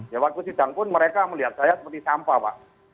ya waktu sidang pun mereka melihat saya seperti sampah pak